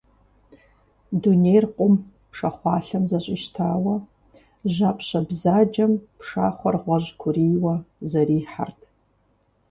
Дунейр къум пшахъуалъэм зэщӀищтауэ, жьапщэ бзаджэм пшахъуэр гъуэжькурийуэ зэрихьэрт.